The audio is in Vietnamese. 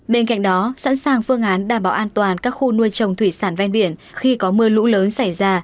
bên cạnh đó sẵn sàng phương án đảm bảo an toàn các khu nuôi trồng thủy sản ven biển khi có mưa lũ lớn xảy ra